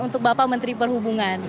untuk bapak menteri perhubungan